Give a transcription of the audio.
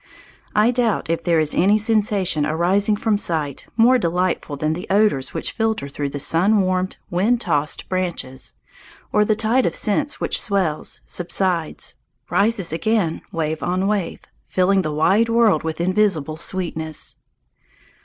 I doubt if there is any sensation arising from sight more delightful than the odours which filter through sun warmed, wind tossed branches, or the tide of scents which swells, subsides, rises again wave on wave, filling the wide world with invisible sweetness.